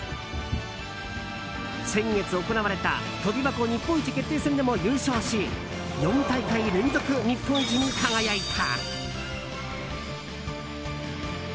先月行われた跳び箱日本一決定戦でも優勝し４大会連続日本一に輝いた。